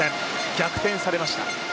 逆転されました。